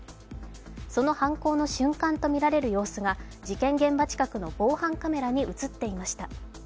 その犯行の瞬間とみられる様子が事件現場近くの防犯カメラに映っていました。